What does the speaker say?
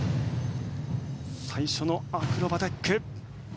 最初のアクロバティック。